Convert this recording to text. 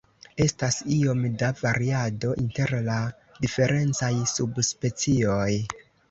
Estas iom da variado inter la diferencaj subspecioj.